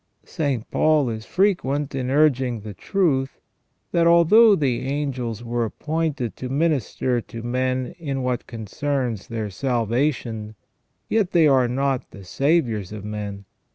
St. Paul is frequent in urging the truth, that although the angels were appointed to minister to men in what concerns their salvation, yet they are not the saviours of men.